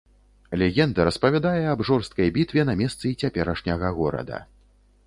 Легенда распавядае аб жорсткай бітве на месцы цяперашняга горада.